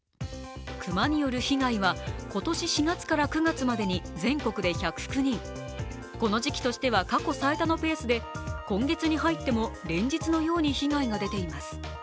熊による被害は今年４月から９月までに全国で１０９人、この時期としては過去最多のペースで今月に入っても連日のように被害が出ています